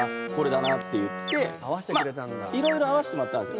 いろいろ合わせてもらったんです。